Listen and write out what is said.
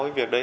cái việc đấy